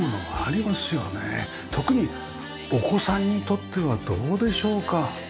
特にお子さんにとってはどうでしょうか？